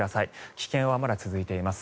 危険はまだ続いています。